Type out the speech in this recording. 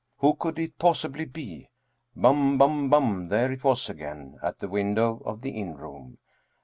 Who could it possibly be? Bum bum bum there it was again, at the window of the inn room.